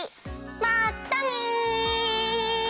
まったね！